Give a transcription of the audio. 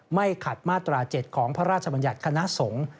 ไม่ขัดมาตรา๗ของพระราชบัญญัติคณะสงฆ์